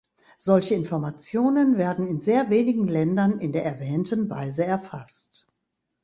Solche Informationen werden in sehr wenigen Ländern in der erwähnten Weise erfasst.